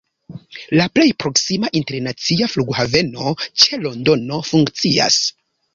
La plej proksima internacia flughaveno ĉe Londono funkcias.